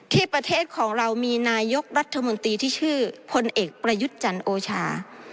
ที่ประเทศของเรามีนายกรัฐมนตรีที่ชื่อพลเอกประยุทธ์จันทร์โอชา